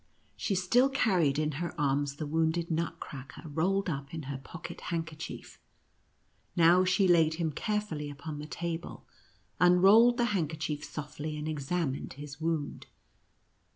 She still carried in her arms the wounded Nutcracker, rolled up in her pocket handkerchief. Now she laid him care fully upon the table, unrolled the handkerchief softly, and examined his wound.